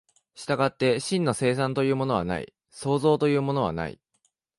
従って真の生産というものはない、創造というものはない。